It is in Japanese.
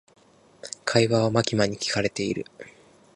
会話はマキマに聞かれている。